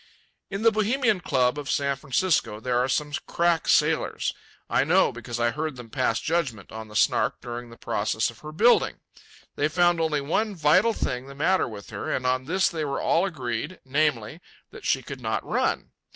In the Bohemian Club of San Francisco there are some crack sailors. I know, because I heard them pass judgment on the Snark during the process of her building. They found only one vital thing the matter with her, and on this they were all agreed, namely, that she could not run.